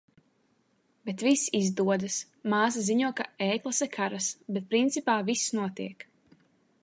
Bet viss izdodas. Māsa ziņo, ka e-klase "karas", bet principā viss notiek.